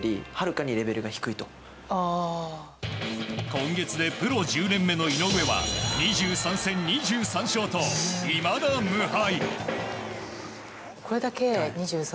今月でプロ１０年目の井上は２３戦２３勝といまだ無敗。